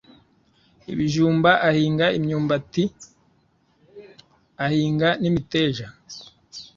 ibijumba, ahinga imyumbati, ahinga n’imiteja,